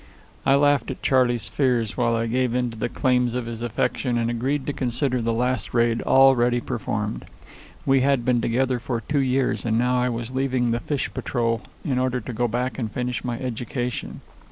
I laughed at Charley's fears while I gave in to the claims of his affection, and agreed to consider the last raid already performed. We had been together for two years, and now I was leaving the fish patrol in order to go back and finish my education.